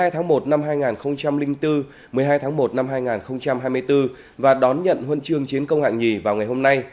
một mươi hai tháng một năm hai nghìn bốn và đón nhận huân chương chiến công hạng nhì vào ngày hôm nay